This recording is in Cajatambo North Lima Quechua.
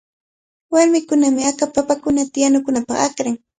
Warmikunami akapa papakunata yanunapaq akran.